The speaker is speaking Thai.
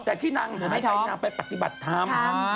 แต่ที่นางไปปฏิบัติธรรม